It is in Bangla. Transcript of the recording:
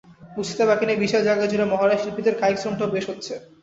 বুঝতে বাকি নেই, বিশাল জায়গাজুড়ে মহড়ায় শিল্পীদের কায়িক শ্রমটাও বেশ হচ্ছে।